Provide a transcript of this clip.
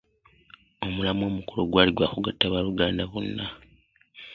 Omulamwa omukulu gwali gwa kugatta baaluganda bonna.